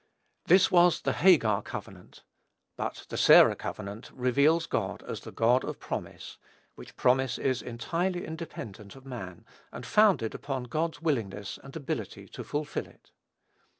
This was the Hagar covenant. But the Sarah covenant reveals God as the God of promise, which promise is entirely independent of man, and founded upon God's willingness and ability to fulfil it.